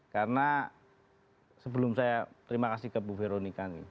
karena sebelum saya terima kasih ke ibu veronica nih